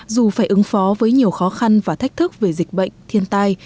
dù phải ứng phó với nhiều khó khăn và thách thức về dịch bệnh thiên tai